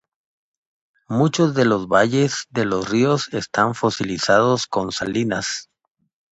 Muchos de los valles de los ríos están fosilizados con salinas.